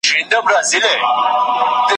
زه یاغي له نمرودانو له ایمان سره همزولی!.